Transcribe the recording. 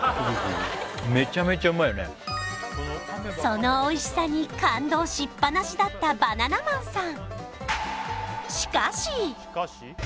メチャメチャうまいよねそのおいしさに感動しっぱなしだったバナナマンさん